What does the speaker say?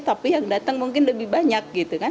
tapi yang datang mungkin lebih banyak